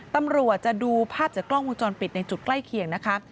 ตำรวจจะดูภาพจากกล้องวงจรปิดในจุดใกล้เคียงนะคะ